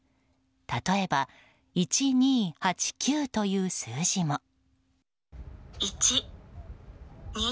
例えば、１２８９という数字も。